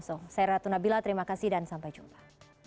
saya ratna bila terima kasih dan sampai jumpa